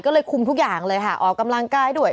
ก็เลยคุมทุกอย่างเลยค่ะออกกำลังกายด้วย